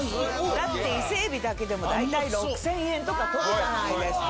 だって伊勢海老だけでも大体６０００円とか取るじゃないですか。